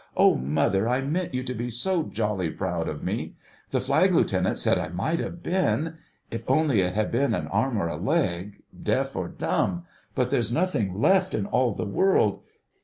Oh, mother, I meant you to be so jolly proud of me. The Flag Lieutenant said I might have been ... if only it had been an arm or a leg—deaf or dumb ... but there's nothing left in all the world